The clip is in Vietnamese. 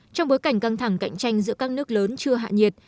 trong bối cảnh căng thẳng cạnh tranh giữa các nước lớn chưa hạ nhiệt